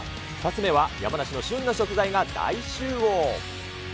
２つ目は山梨の旬の食材が大集合。